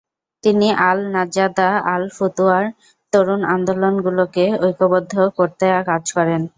তিনি আল-নাজ্জাদা ও আল-ফুতুয়ার তরুণ আন্দোলনগুলোকে ঐক্যবদ্ধ করতে কাজ করেন।